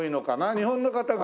日本の方が？